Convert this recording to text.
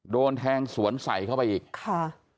โดนแทงสวนใส่เข้าไปอีกค่ะ